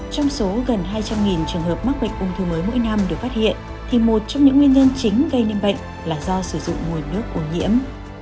trong số gần hai trăm linh trường hợp mắc bệnh ung thư mới mỗi năm được phát hiện thì một trong những nguyên nhân chính gây nên bệnh là do sử dụng nguồn nước ô nhiễm